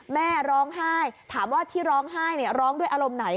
แม่ร้องไห้ถามว่าที่ร้องไห้ร้องด้วยอารมณ์ไหน